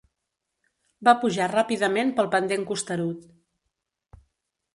Va pujar ràpidament pel pendent costerut.